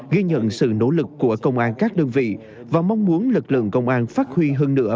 ghi nhận sự nỗ lực của công an các đơn vị và mong muốn lực lượng công an phát huy hơn nữa